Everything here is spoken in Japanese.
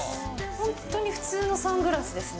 本当に普通のサングラスですね。